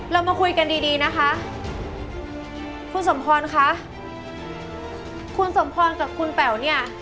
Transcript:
เรามาคุยกันดีดีนะคะคุณสมพรคะคุณสมพรกับคุณแป๋วเนี่ย